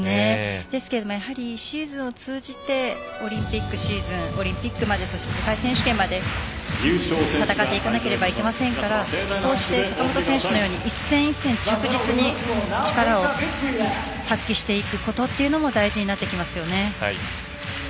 でも、シーズンを通じてオリンピックシーズンオリンピックまで世界選手権まで戦っていかなければいけませんからこうして坂本選手のように一戦一戦着実に力を発揮していくことも大事になってきますよね。